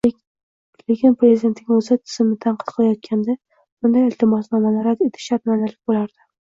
Lekin prezidentning o'zi, tizimni tanqid qilayotganida, bunday iltimosnomani rad etish sharmandalik bo'lardi!